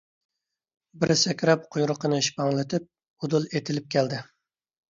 بىر سەكرەپ قۇيرۇقىنى شىپپاڭلىتىپ ئۇدۇل ئېتىلىپ كەلدى.